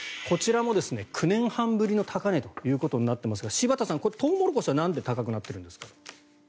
こちらも９年半ぶりの高値となっていますが柴田さん、これトウモロコシはなんで高くなっているんですか？